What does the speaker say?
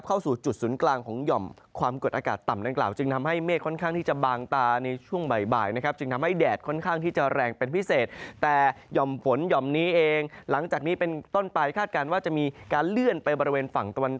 เข้าสู่จุดศูนย์กลางของหย่อมความกดอากาศต่ำด้านกล่าว